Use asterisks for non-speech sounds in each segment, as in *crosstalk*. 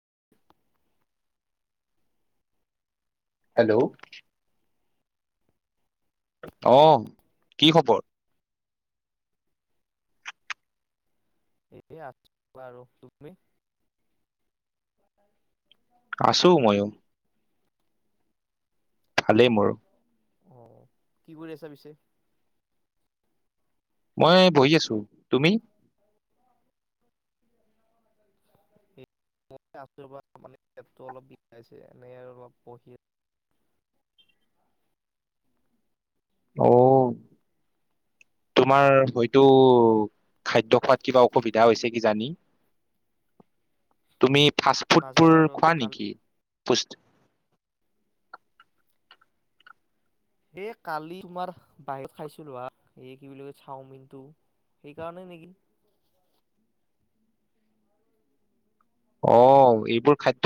*unintelligible* Hello অ কি খবৰ এ আছো আৰু তুমি আছো ময়ো ভালেই মোৰ অ কি কৰি আছা পিছে মই বহি আছো তুমি ম আছো ৰবা মানে পেট টো অলপ বিষাইছে এনে আৰু অলপ বহি অ তোমাৰ হয়তো খাদ্য খোৱাত কিবা অসুবিধা হৈছে কি জানি তুমি ফাষ্ট ফুডবোৰ নাজানো আৰু খোৱা কালি নেকি পুষ্ট এই কালি তোমাৰ বাহিৰত খাইছিলো হ এই কি বুলি কয় চাওমিনটো সেইকাৰণে নেকি অ এইবোৰ খাদ্য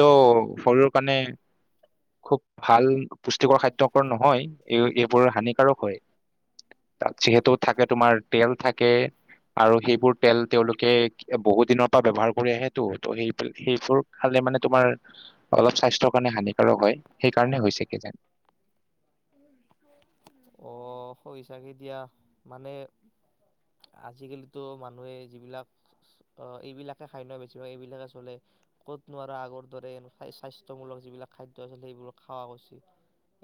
শৰীৰৰ কাৰণে খুব ভাল পুষ্টিকৰ খাদ্যকৰ নহয় এই এইবোৰ হানিকাৰক হয় তাত যিহেতু থাকে তোমাৰ তেল থাকে আৰু সেইবোৰ তেল তেওঁলোকে বহু দিনৰ পৰা ব্যৱহাৰ কৰি আহেটো ত সেই সেইবোৰ খালে মানে তোমাৰ অলপ স্বাস্থ্যৰ কাৰণে হানিকাৰক হয় সেইকাৰণে হৈছে কি যান অ হয় চাগে দিয়া মানে আজিকালিতো মানুহে যিবিলাক অ এইবিলাকে খায় নয় বেছিভাগ এইবিলাকে চলে ক'ত নো আগৰ দৰে নো খায় স্বাস্থ্যমূলক যিবিলাক খাদ্য যেনে এইবিলাক খোৱা উচিত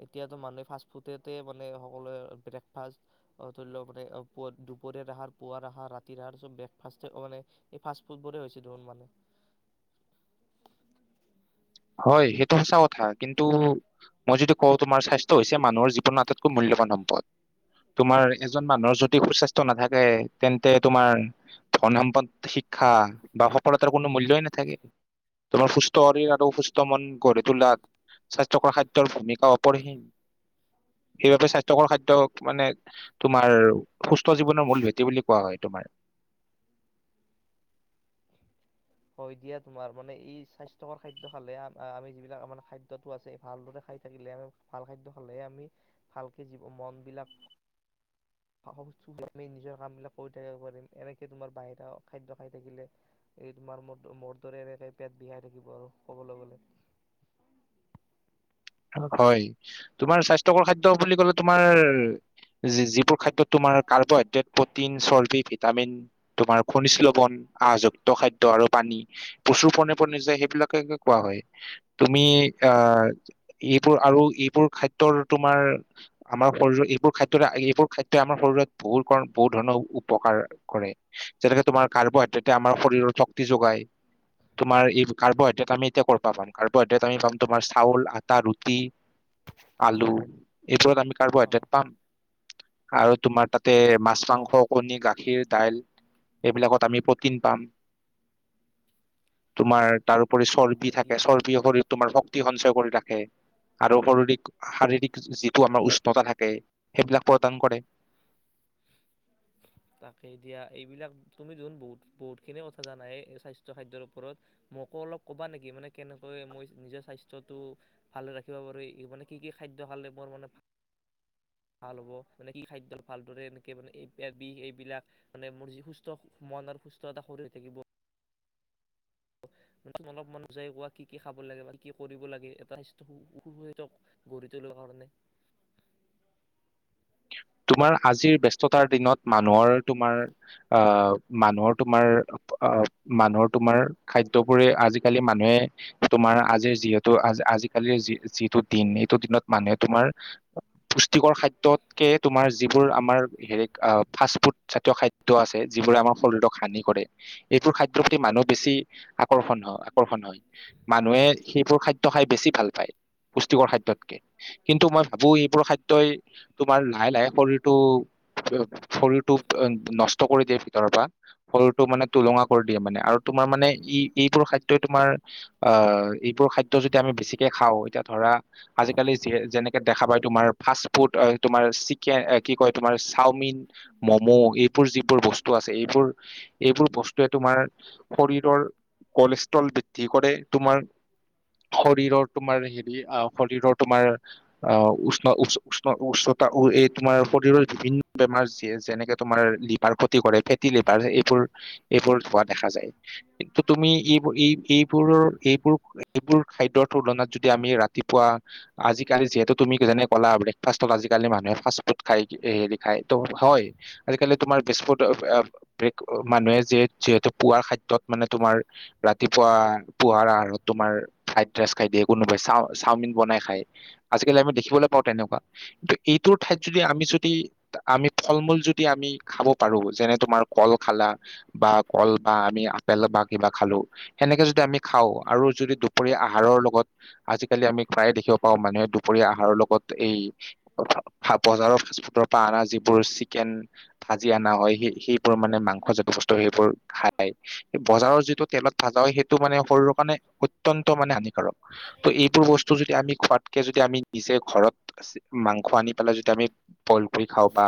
এতিয়াতো মানুহ ফাষ্টফুডতে বৰ্ত সকলোৱে ব্ৰেকফাষ্ট ধৰি লওক মানে দুপৰীয়া আহাৰ পুৱাৰ আহাৰ ৰাতিৰ আহাৰ চব ব্ৰেকফাষ্টে অ মানে ফাচ ফুড বোৰে হৈছে মানে হয় সেইটো সঁচা কথা কিন্তু মই যদি কওঁ তোমাৰ স্বাস্থ্যৰ হৈছে মানুহৰ জীৱনৰ আটাইতকৈ মূল্যবান সম্পদ তোমাৰ এজন মানুহৰ যদি সুস্বাস্থ্য নাথাকে তেন্তে তোমাৰ ধন সম্পদ শিক্ষা বা সফলতাৰ কোনো মূল্যই নাথাকে তোমাৰ সুস্থ শৰীৰ আৰু সুস্থ মন গঢ়ি তোলাত স্বাস্থ্যকৰ খাদ্যৰ ভূমিকা অপৰিসীম সেইবাবে স্বাস্থ্যকৰ খাদ্য মানে তোমাৰ সুস্থ জীৱনৰ মূল ভেটি বুলি কোৱা হয় তোমাৰ হয় দিয়া তোমাৰ মানে ই স্বাস্থ্যকৰ খাদ্য খালে আম আমি যিবিলাক আমাৰ খাদ্যটো আছে ভালদৰে খাই থাকিলে আ ভাল খাদ্য খালেহে আমি ভালকে জীৱ মন বিলাক আমি নিজৰ কামবিলাক কৰি থাকিব পাৰিম এনেকে তোমাৰ বাহিৰা খাদ্য খাই থাকিলে তোমাৰ মোৰ দৰে এনেকে পেট বিহাই থাকিব আৰু ক'বলৈ গ'লে হয় তোমাৰ স্বাস্থ্যকৰ খাদ্য বুলি কলে তোমাৰ যি যিটো খাদ্যত তোমাৰ কাৰ্বহাইড্ৰেট প্ৰটিন চৰ্বি ভিটামিন তোমাৰ খনিজ্ লৱন আহযুক্ত খাদ্য আৰু পানী প্ৰচুৰ পণ নিজে সেইবিলাকে কোৱা হয় তুমি আহ এইবোৰ আৰু এইবোৰ খাদ্যৰ তোমাৰ আমাৰ শৰীৰ এইবোৰ খাদ্যৰ এইবোৰ খাদ্যই আমাৰ শৰীৰত বহু বহু ধৰণৰ উপকাৰ কৰে যেনেকে তোমাৰ কাৰ্বহাইড্ৰেটে আমাৰ শৰীৰৰ শক্তি যোগাই তোমাৰ এই কাৰ্বহাইড্ৰেট আমি এতিয়া কৰ পৰা পাম কাৰ্বহাইড্ৰেেত আমি পাম তোমাৰ চাউল আ ৰুটি আলুএই ৰত আমি অ কাৰ্বহাইড্ৰেট পাম আৰু তোমাৰ ত তে মাছ অ মাংস কণী গাখীৰ দাল এইবিলাকত আমি প্ৰটিন পাম তোমাৰ তা চৰ্বি হয় থাকে দিয়া চৰ্বি শৰীৰ তোমাৰ হক অতি সঞ্চয় কৰি ৰাখ কে আৰু শৰিৰিক শাৰীৰিক যিটো আমাৰ উষ্ণতা থাকে সেইবিলাক প্ৰদান কৰে তাকে এ দিয়া এইবিলাক তুমি জোন বহুত বহুতখিনিয়ে কথা জানাই এ এ স্বাস্থ্য খাদ্যৰ ওপৰত মোকো অলপ কবা নেকি মানে কেনেকৈ মই নিজে স্বাস্থ্যটো ভালে ৰাখিব পাৰো মানে কি কি খাদ্য খালে বল মানে ভাল হ'ব মানে কি খাদ্য ভালদৰে এনেকে মানে এই এ বিষ এইবিলাক মানে মোৰ যি সুস্থ মনৰ সুস্থ এটা শৰীৰ থাকিব অলপ মন যায় কোৱা কি কি খাব লাগে বা কি কি কৰিব লাগে এটা সু সু এটা গঢ়ি তোলোৰ কাৰণে তোমাৰ আজিৰ ব্যস্ততাৰ দিনত মানুহৰ তোমাৰ আহ মানুহৰ তোমাৰ আহ মানুহৰ তোমাৰ খাদ্যবোৰে আজিকালি মানুহে তোমাৰ আজিৰ যিহেতু আজিকালিৰ যি যিটো দিন, এইটো দিনত মানুহে তোমাৰ পুষ্টিকৰ খাদ্যতকে- তোমাৰ যিবোৰ আমাৰ হেৰি ফাষ্ট ফুড জাতীয় খাদ্য আছে, যিবোৰে আমাৰ শৰীৰক হানি কৰে। এইবোৰ খাদ্যৰ প্ৰতি মানুহ বেছি আকৰ্ষণ হয় আকৰ্ষণ হয়। মানুহে সেইবোৰ খাদ্য খাই বেছি ভাল পায়। পুষ্টিকৰ খাদ্যতকে। কিন্তু মই ভাবো এইবোৰ খাদ্যই তোমাৰ লাহে লাহে শৰীৰটো শৰীৰটো নষ্ট কৰি দিয়ে ভিতৰৰ পৰা, শৰীৰটো মানে তুলঙা কৰি দিয়ে মানে। আৰু তোমাৰ মানে ই এইবোৰ খাদ্যই তোমাৰ আহ এইবোৰ খাদ্য যদি আমি বেছিকে খাওঁ, এতিয়া ধৰা আজিকালি যেনেকে দেখা পায় তোমাৰ ফাষ্ট ফুড তোমাৰ চিকে এ কি কয়- তোমাৰ চাওমিন, মম' এইবোৰ যিবোৰ বস্তু আছে এইবোৰ এইবোৰ বস্তুৱে তোমাৰ শৰীৰৰ কলেষ্ট্ৰল বৃদ্ধি কৰে, তোমাৰ শৰীৰৰ তোমাৰ হেৰি আহ শৰীৰৰ তোমাৰ আহ উষ্ণ উ উণ উচ্চতা- এই তোমাৰ শৰীৰৰ বিভিন্ন বেমাৰ, যেনেকে তোমাৰ লিভাৰ ক্ষতি কৰে ফেটি লিভাৰ এইবোৰ এইবোৰ হোৱা দেখা যায়। কিন্তু তুমি এইবোৰ এই এই এইবোৰৰ এইবোৰ এইবোৰ খাদ্যৰ তুলনাত যদি আমি ৰাতিপুৱা আজিকালি যিহেতু তুমি যেনে ক'লা ব্ৰেকফাষ্ট আজি - কালি মানুহে ফাস্দ ফুড খাই হেৰি খায়, ত হয় আজিকালি তোমাৰ ফুড মানুহে যিহেতু পুৱাৰ খাদ্যত মানে তোমাৰ ৰাতিপুৱা পাৰ আহাৰত তোমাৰ ফ্ৰাইড ৰাইচ খাই দিয়ে কোনোবাই চা চাওমিন বনাই খায়, আজিকালি আমি দেখিবলৈ পাও তেনেকুৱা এইটো ঠাইত যদি আমি যদি আমি ফল মূল যদি আমি খাব পাৰো, যেনে তোমাৰ কল খালা বা কল বা আমি আপেল বা কিবা খালো, সেনেকে যদি আমি খাওঁ আৰু যদি দুপৰীয়া আহাৰৰ লগত আজিকালি আমি প্ৰায়ে দেখিব পাওঁ মানুহে দুপৰীয়া আহাৰৰ লগত এই বজাৰৰ ফাস্দ ফুডৰ পৰা অনা যিবোৰ চিকেন ভাজি অনা হয় সেই সেইবোৰ মানে মাংস - ত সেইবোৰ খায়। বজাৰৰ যিটো তেলত ভাজা হয় সেইটো মানে শৰীৰৰ কাৰণে অত্যন্ত মানে হানিকাৰক। ত' এইবোৰ বস্তু যদি আমি খোৱাতকে যদি আমি নিজে ঘৰত আছে মাংস আনি পেলাই যদি আমি বইল কৰি খাওঁ বা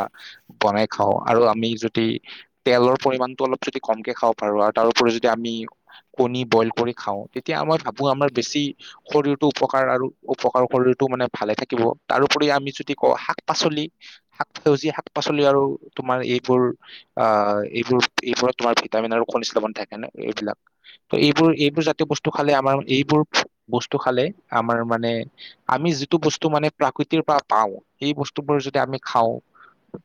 বনাই খাওঁ আৰু আমি যদি তেলৰ পৰিমাণটো অলপ যদি কমকে খাব পাৰো, আৰু তাৰপৰি যদি আমি কণী বইল কৰি খাওঁ তেতিয়া মই ভাবো আমাৰ বেছি শৰীৰটো উপকাৰ আৰু উপকাৰ শৰীৰতটো মানে ভালে থাকিব। তাৰ- আমি যদি ক‌ওঁ, শাক- পাচলি শাক সেউজীয়া শাক পাচলি আৰু তোমাৰ এইবোৰ আহ এইবোৰ এইবোৰত তোমাৰ ভিটামিন আৰু নিৱন থাকে ন এইবিলাক ত এইবোৰ এইবোৰ জাতীয় বস্তু খালে আমাৰ এইবোৰ বস্তু খালে আমাৰ মানে আমি যিটো বস্তু মানে প্ৰাক পা পাওঁ সেই বস্তুবোৰ যদি আমি খাওঁ,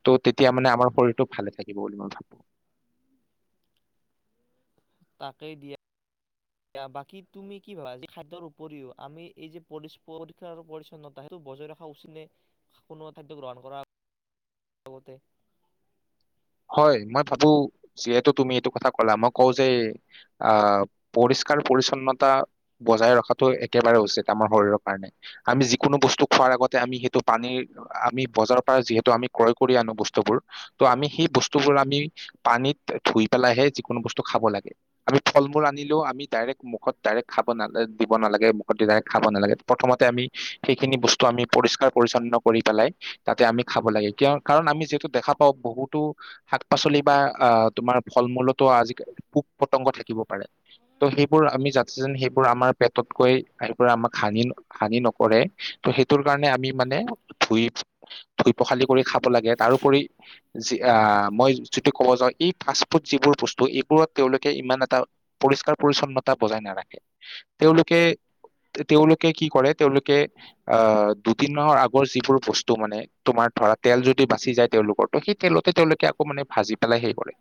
ত তেতিয়া মানে আমাৰ শৰীৰটো ভালে থাকিব বুলি মই ভাবো তাকে দিয়া বাকী তুমি কি ভাবা খাদ্যৰ উপৰিও আমি এই যে পৰি পৰিস্কাৰ আৰু পৰিছন্নতা সেইটো বজাই ৰখা উচিত নে কোনোা খাদ্য গ্ৰহণ কৰাতে? হয় মই ভাবো যিহেতু তুমি এইটো কথা ক'লা মই কওঁ যে, আহ পৰিষ্কাৰ পৰিছন্নতা বজাই ৰখাটো একেবাৰে উচিত আমাৰ শৰীৰৰ কাৰণে। আমি যিকোনো বস্তু খোৱাৰ আগতে আমি সেইটো পানীৰ আমি বজাৰৰ পৰা যিহেতু আমি ক্ৰয় কৰি আনো বস্তুবোৰ ত আমি সেই বস্তুবোৰ আমি পানীত ধুই পেলাইহে যিকোনো বস্তু খাব লাগে। আমি ফল মূল আনিলেও আমি ডাইৰেক্ট মুখত ডাইৰেক্ট খাব নাল দিব নালাগে মুখত ডাইৰেক্ট খাব নালাগে। প্ৰথমতে আমি সেইখিনি বস্তু আমি পৰিষ্কাৰ পৰিছন্ন কৰি পেলাই তাতে আমি খাব লাগে। কিয় কাৰণ আমি যিহেতু দেখা পাওঁ বহুতো শাক পাচলি বা আহ তোমাৰ ফল মূলতো আজিকালি পোক পতংগ থাকিব পাৰে। ত' সেইবোৰ আমি যাতে সেইবোৰ আমাৰ পেটত গৈ আহ আমাক হানি হানি নকৰে ত' সেইটোৰ কাৰণে আমি মানে ধুই ধুই পখালি কৰি খাব লাগে। তাৰোপৰি- আহ মই যদি ক'ব যাওঁ এই ফাষ্ট ফুড যিবোৰ বস্তু এইবোৰত তেওঁলোকে ইমান এটা পৰিষ্কাৰ পৰিছন্নতা বজাই নাৰাখে। তেওঁলোকে তেওঁলোকে কি কৰে তেওঁলোকে আহ দুদিনৰ আগৰ যিবোৰ বস্তু মানে তোমাৰ ধৰা তেল যদি বাচি যায় তেওঁলোকৰ ত- তেলতে তেওঁলোকে আকৌ মানে ভাজি- পেলাই সেই কৰে।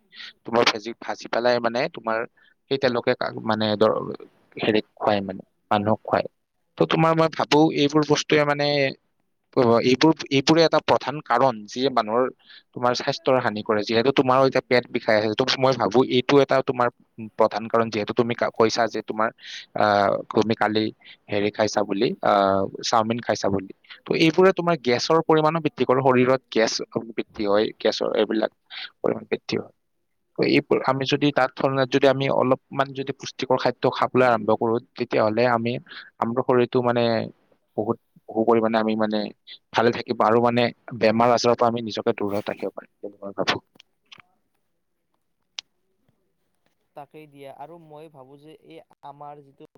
তোমাৰ ভেজি ভাজি পেলাই মানে তোমাৰ সেই তেওঁলোকে মানে দৰ হেৰিত খুৱাই মানে মানুহক খুৱাই। ত তোমাৰ মই ভাবো এইবোৰ বস্তুৱে মানে এইবোৰ এইবোৰে এটা প্ৰধান কাৰণ যিয়ে মানুহৰ তোমাৰ স্বাস্থ্যৰ হানি কৰে। যিহেতু তোমাৰো এতিয়া পেট বিষাই আছে ত মই ভাবো এইটো এটা তোমাৰ প্ৰধান কাৰণ যিহেতু তুমি কৈছা যে তোমাৰ অ তুমি কালি হেৰি খাইছা বুলি, অ চাওমিন খাইছা বুলি ত' এইবোৰে তোমাৰ গেছৰ পৰিমানো বৃদ্ধি কৰো শৰীৰত গেছ- গেছৰ এইবিলাক পৰিমান বৃদ্ধি হয়। ত এই আমি যদি তাৰ তুলনাত যদি আমি অলপমান যদি পুষ্টিকৰ খাদ্য খাবলৈ আৰম্ভ কৰো তেতিয়াহলে আমি আমাৰ শৰীৰতটো মানে বহুত বহু পৰিমণে আমি মানে ভালে থাকিব। আৰু মানে বেমাৰ আজাৰৰ পৰা আমি নিজক ৌৰাত আহিব পাৰোব *unintelligible* তাকেই দিয়ে আৰু মই ভাবো যে এই আমাৰ যিটো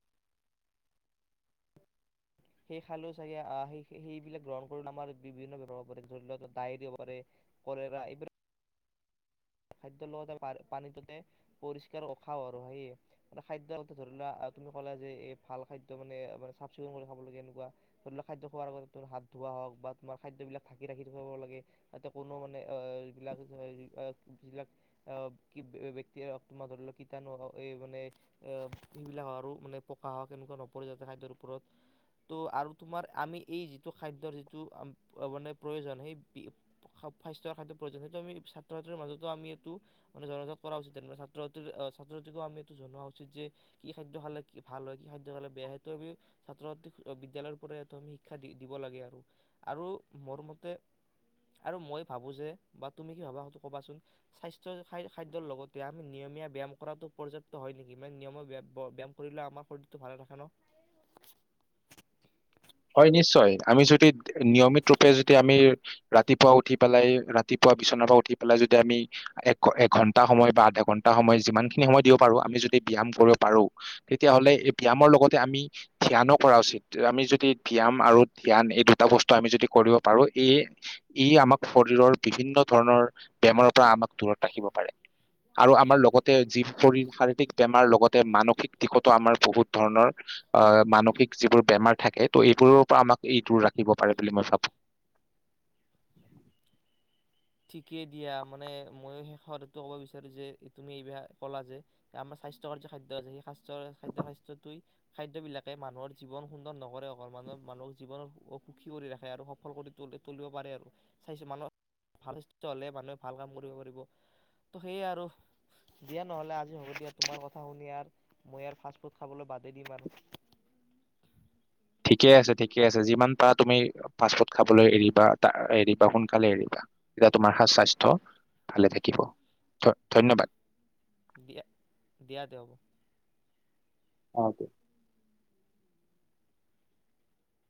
সেই খালো চাগ আহ স সেইবিলাক গ্ৰহণ কৰি আমাৰ বিভিন্ন বৱাৰ হব পাৰে ধৰি লোৱা, ডায়েৰি হ'ব পাৰে কৰা এইবিলাক খাদ্যৰ লগতে পানীটোতে পৰিষ্কাৰ উখাও আৰু সেয়ে, মানে খাদ্যৰ লগতে ধৰি লোৱা আহ তুমি কলা যে এই ভাল খাদ্য মানে চাফ চিকুণ কৰি খাব লাগে এনেকুৱা ধৰি লোৱা খাদ্য খোৱাৰ আতে হাত ধোৱা হওক বা তোমাৰ খাদ্যবলাক ধাকি ৰাখি থাব লাগে। তাতে কোনো মানে অ বিলাক যিবিলাক বক্তিয়ে হওক তোমাৰ ধৰি লওক কীটাণু হক এই মানে সবিলাক আৰু মানে পকা হওক এনেকুৱা নপৰে যাতে খাদ্যৰ ওপৰত। ত' আৰু তোমাৰ আমি এই যিটো খাদ্যৰ যিটো মানে প্ৰয়োজন সেই স্বাস্থ্য খাদ্য প্ৰয়োজন, সেইটো আমি ছাত্ৰ ছাত্ৰীৰ মাজত আমি এইটো মানে জনাত কৰা উচিত তেনে ছাত্ৰ ছাত্ৰীৰ আহ ছাত্ৰ ছাত্ৰীকো আমি এইটো জনোৱা উচিত যে কি খাদ্য খালে কি ভাল হয় কি খাদ্য খালে বেয়া সেইটো আমি ছাত্ৰ ছাত্ৰীক বিদ্যালয়ৰ পৰা এইটো আমি শিক্ষা দি দিব লাগে আৰু। আৰু মোৰ মতে আৰু মই ভাবো যে বা তুমি কি ভাবা সেইটো কবাচোন? স্বাস্থ্য খাদ্যৰ লগতে আমি নিয়মীয়া ব্যায়াম কৰাটো পৰ্যাপ্ত হয় নেকি? মানে নিয়মীয়া ব্যায়াম কৰিলে আমাৰ শৰীটো ভালে ৰাখে ন হয় নিশ্চয়, আমি যদি নিয়মিত ৰূপে যদি আমি ৰাতিপুৱা উঠি পেলাই ৰাতিপুৱা বিচনাৰ পৰা উঠি পেলাই যদি আমি এক এঘন্টা সময় বা আধা ঘন্টা সময় যিমানখিনি সময় দিব পাৰো আমি যদি ব্যায়াম কৰিব পাৰো, তেতিয়াহ'লে এই ব্যায়ামৰ লগতে আমি ধ্যানো কৰা উচিত। আমি যদি ব্যায়াম আৰু ধ্যান এই দুটা বস্তু আমি যদি কৰিব পাৰো ই আমাক শৰীৰৰ বিভিন্ন ধৰণৰ বেমাৰৰ পৰা আমাক দূৰত ৰাখিব পাৰে। আৰু আমাৰ লগতে যি শৰীৰ শাৰীৰিক বেমাৰ লগতে মানসিক দিশতো আমাৰ বহুত ধৰণৰ আহ মানসিক যিবোৰ বেমাৰ থাকে ত' এইবোৰৰ পৰা আমাক এইটো ৰাখিব পাৰে বুলি মই ভাবো। ঠিকেই দিয়া। মানে ময়ো শেষতো ক'ব বিচাৰো যে তুমি এইবাক কলা যে আমাৰ স্বাস্থ্যকাৰ যে খাদ্য আছে সেই সাস ৰ খাদ্য শাস্থ্যটোই- খাদ্য বিলাকে মানুহৰ জীৱন সুন্দৰ নকৰে অকল, মানুহৰ মানুহক জীৱন সুখী কৰি ৰাখে আৰু সফল কৰি তুলি তুলিব পাৰে আৰু, মানুহ ভাল হ'লে মানুহে ভাল কাম কৰিব পাৰিব। ত' সেয়াই আৰু দিয়া নহ'লে আজি হ'ব দিয়া তোমাৰ কথা শুনি আৰ মই ই ফাষ্টফুড খাবলৈ বাদেই দিম আৰু। ঠিকে আছে ঠিকে আছে যিমান পাৰা তুমি ফাষ্টফুড খাবলৈ এৰিবা এৰিবা সোনকালে এৰিবা তেতিয়া তোমাৰ সে স্বাস্থ্য ভালে থাকিব ধন্যবাদ দিয়া দিয়া দেয় অকে